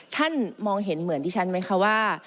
ท่านมองเห็นเหมือนดิฉันไหมคะว่า